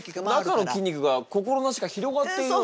中の筋肉が心なしか広がっているような。